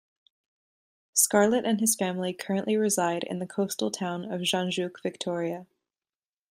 Scarlett and his family currently reside in the coastal town of Jan Juc, Victoria.